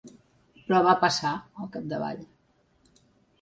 Però va passar, al capdavall.